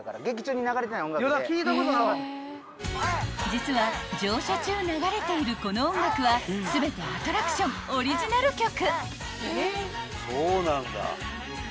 ［実は乗車中流れているこの音楽は全てアトラクションオリジナル曲］